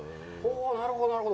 なるほど、なるほど。